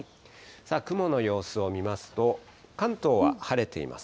雲の様子を見ますと、関東は晴れています。